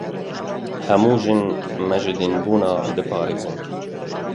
Hemû jin, me ji dînbûnê diparêzin.